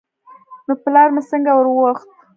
نو پلار مې څنگه وروخوت.